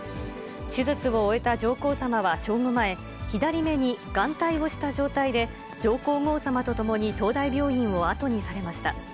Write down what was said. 手術を終えた上皇さまは正午前、左目に眼帯をした状態で、上皇后さまと共に東大病院を後にされました。